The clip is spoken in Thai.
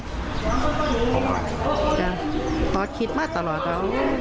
แต่ว่าเป็นอย่างเต็มว่า